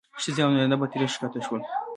ښځې او نارینه به ترې ښکته شول.